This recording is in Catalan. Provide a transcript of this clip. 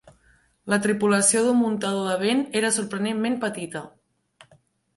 La tripulació d'un muntador de vent era sorprenentment petita.